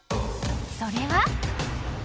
それは。